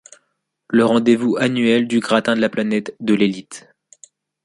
Le rendez-vous annuel du gratin de la planète, de l'élite.